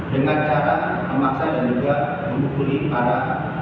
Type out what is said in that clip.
dengan cara memaksa dan juga memukuli para